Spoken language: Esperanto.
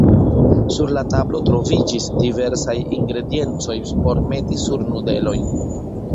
Sur la tablo troviĝis diversaj ingrediencoj por meti sur nudelojn.